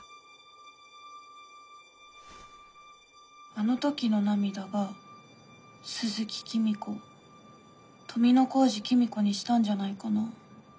あの時の涙が鈴木公子を富小路公子にしたんじゃないかな。